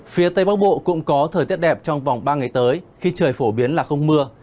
phía tây bắc bộ cũng có thời tiết đẹp trong vòng ba ngày tới khi trời phổ biến là không mưa